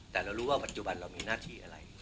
แต่เรารู้ว่าปัจจุบันเรามีหน้าที่อะไร